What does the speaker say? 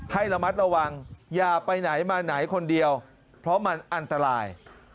ให้ระมัดระวังอย่าไปไหนมาไหนคนเดียวเพราะมันอันตราย